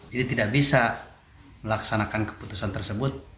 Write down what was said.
jadi tidak bisa melaksanakan keputusan tersebut